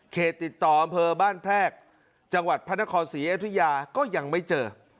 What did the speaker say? ติดต่ออำเภอบ้านแพรกจังหวัดพระนครศรีอยุธยาก็ยังไม่เจอ